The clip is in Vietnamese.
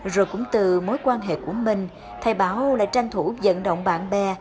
rồi cũng từ mối quan hệ của mình thầy bảo lại tranh thủ dẫn động bạn bè